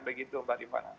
begitu mbak dimana